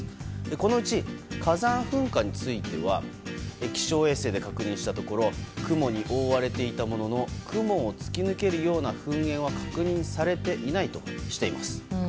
このうち、火山噴火については気象衛星で確認したところ雲に覆われていたものの雲を突き抜けるよう噴煙は確認されていないとしています。